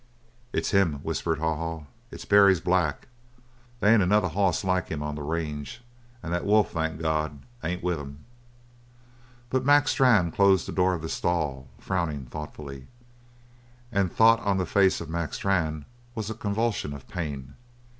"It's him!" whispered Haw Haw. "It's Barry's black. They ain't another hoss like him on the range. An' the wolf thank God! ain't with him." But Mac Strann closed the door of the stall, frowning thoughtfully, and thought on the face of Strann was a convulsion of pain.